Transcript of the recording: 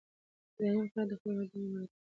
اداري مقررات د خدمت د دوام ملاتړ کوي.